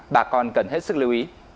bà con cần hết sức lưu ý